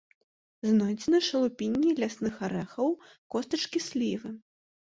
Знойдзены шалупінне лясных арэхаў, костачкі слівы.